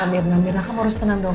mirna mirna kamu harus tenang dong